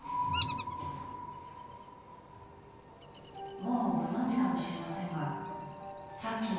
もうご存じかもしれませんがさっきの革手袋からは